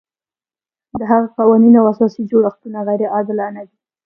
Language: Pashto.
د هغه قوانین او اساسي جوړښتونه غیر عادلانه دي.